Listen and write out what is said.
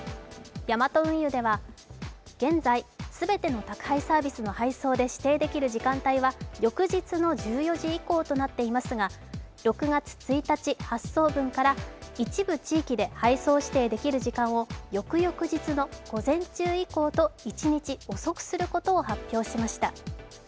ヤマト運輸では現在、全ての宅配サービスの配送で指定できる時間帯は翌日の１４時以降となっていますが、６月１日発送分から一部地域で配送指定できる時間を翌々日の午前中以降と１日遅くすることを発表しました。